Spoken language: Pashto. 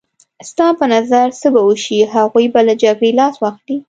ستا په نظر څه به وشي؟ هغوی به له جګړې لاس واخلي.